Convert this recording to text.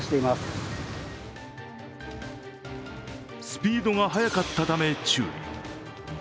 スピードが速かったため注意。